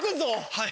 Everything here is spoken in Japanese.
はい。